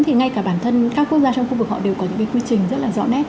thì ngay cả bản thân các quốc gia trong khu vực họ đều có những quy trình rất là rõ nét